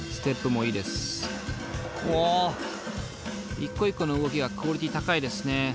一個一個の動きがクオリティー高いですね。